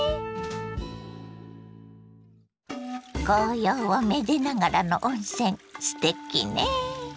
紅葉をめでながらの温泉すてきね。